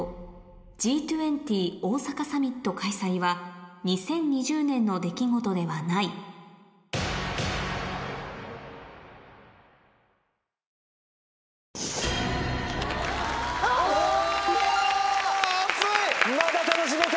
Ｇ２０大阪サミット開催は２０２０年の出来事ではないまだ楽しめた！